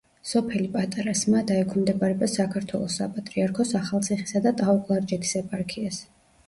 სოფელი პატარა სმადა ექვემდებარება საქართველოს საპატრიარქოს ახალციხისა და ტაო-კლარჯეთის ეპარქიას.